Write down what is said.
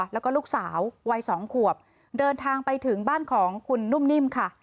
แล้วก็ลูกสาววัยสองขวบเดินทางไปถึงบ้านของคุณนุ่มนิ่มค่ะ